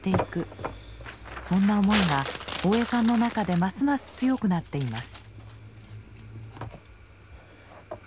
そんな思いが大江さんの中でますます強くなっています。